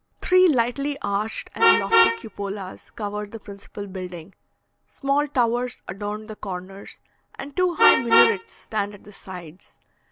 Three lightly arched and lofty cupolas cover the principal building, small towers adorn the corners, and two high minarets stand at the sides.